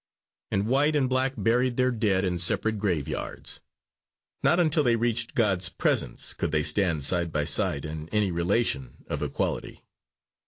And white and black buried their dead in separate graveyards. Not until they reached God's presence could they stand side by side in any relation of equality.